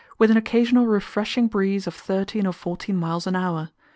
with an occasional refreshing breeze of thirteen or fourteen miles an hour.